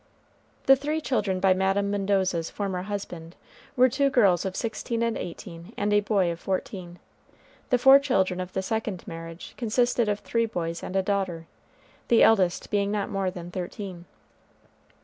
The three children by Madame Mendoza's former husband were two girls of sixteen and eighteen and a boy of fourteen. The four children of the second marriage consisted of three boys and a daughter, the eldest being not more than thirteen.